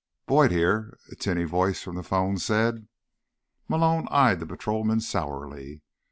"Boyd here," a tinny voice from the phone said. Malone eyed the patrolman sourly.